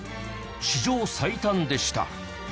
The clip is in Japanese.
史上最短でした。